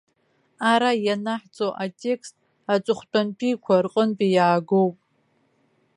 Ара ианаҳҵо атекст аҵыхәтәантәиқәа рҟынтә иаагоуп.